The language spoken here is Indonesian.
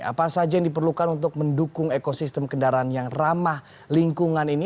apa saja yang diperlukan untuk mendukung ekosistem kendaraan yang ramah lingkungan ini